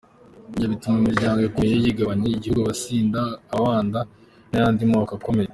Ibyo bituma imiryango ikomeye yigabagabanya igihugu: Abasinga, Ababanda n’ayandi moko akomeye.